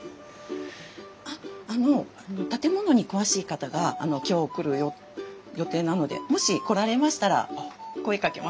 あっあの建物に詳しい方が今日来る予定なのでもし来られましたら声かけますね。